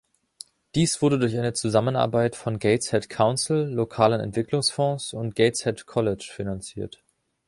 Dies wurde durch eine Zusammenarbeit von Gateshead Council, lokalen Entwicklungsfonds und Gateshead College finanziert.